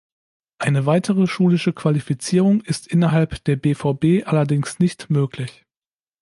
Eine weitere schulische Qualifizierung ist innerhalb der BvB allerdings nicht möglich.